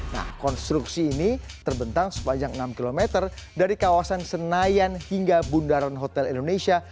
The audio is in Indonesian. nah konstruksi ini terbentang sepanjang enam km dari kawasan senayan hingga bundaran hotel indonesia